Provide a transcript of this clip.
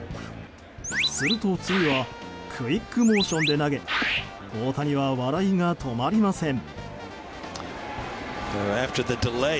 すると、次はクイックモーションで投げ大谷は笑いが止まりません。